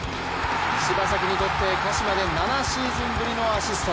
柴崎にとって鹿島で７シーズンぶりのアシスト。